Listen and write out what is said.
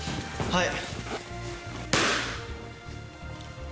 はい。